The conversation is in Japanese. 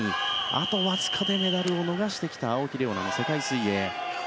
あとわずかでメダルを逃してきた青木玲緒樹の世界水泳。